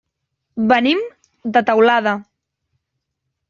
Venim de Teulada.